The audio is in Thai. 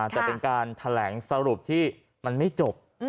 แต่เป็นการแถลงสรุปที่มันไม่จบ